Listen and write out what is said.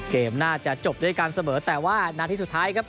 น่าจะจบด้วยการเสมอแต่ว่านาทีสุดท้ายครับ